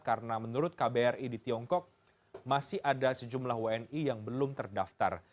karena menurut kbri di tiongkok masih ada sejumlah wni yang belum terdaftar